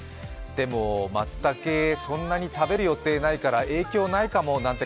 でも、まつたけ、そんなに食べる予定ないから影響ないかもなんて